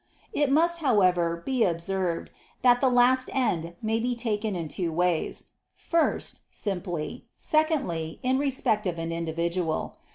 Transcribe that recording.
It must, however, be observed that the last end may be taken in two ways: first, simply; secondly, in respect of an individual.